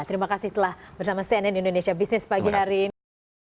terima kasih telah bersama cnn indonesia business pagi hari ini